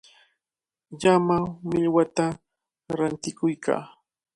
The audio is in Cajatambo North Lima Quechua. Llama millwata rantikuykaa.